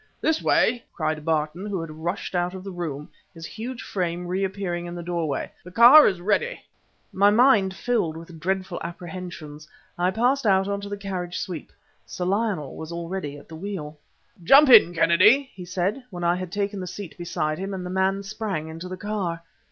"This way," cried Barton, who had rushed out of the room, his huge frame reappearing in the door way; "the car is ready." My mind filled with dreadful apprehensions, I passed out on to the carriage sweep. Sir Lionel was already at the wheel. "Jump in, Kennedy," he said, when I had taken a seat beside him; and the man sprang into the car.